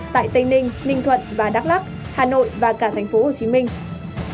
tại tây ninh ninh thuận và đắk lắc hà nội và cả thành phố hồ chí minh